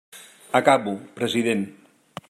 Acabo, president.